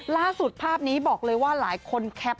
ล่าสุดภาพนี้บอกเลยว่าหลายคนแคป